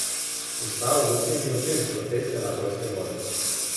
І справа зусім не ў тым, што песня на польскай мове.